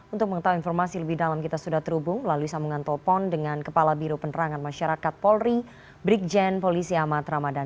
untuk mengetahui informasi lebih dalam kita sudah terhubung melalui sambungan telepon dengan kepala biro penerangan masyarakat polri brigjen polisi ahmad ramadan